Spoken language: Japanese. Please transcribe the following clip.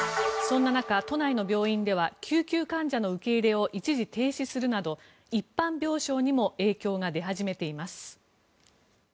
そんな中、都内の病院では救急患者の受け入れを一時停止するなど、一般病床にも影響が出始めています。